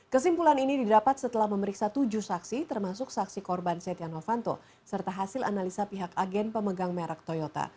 kesimpulan ini didapat setelah memeriksa tujuh saksi termasuk saksi korban setia novanto serta hasil analisa pihak agen pemegang merek toyota